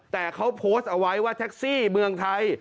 แต่เขาโพสต์เอาไว้ว่าแท็กซี่เมืองไทย